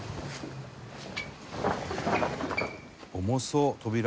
「重そう扉」